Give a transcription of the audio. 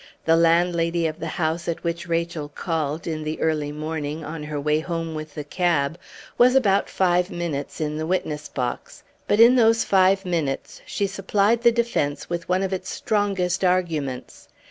The landlady of the house at which Rachel called, in the early morning, on her way home with the cab, was about five minutes in the witness box, but in those five minutes she supplied the defence with one of its strongest arguments.